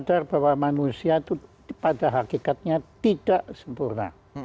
sadar bahwa manusia itu pada hakikatnya tidak sempurna